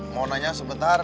mau nanya sebentar